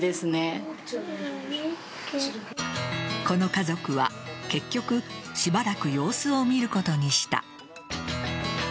この家族は結局しばらく様子を見ることにした。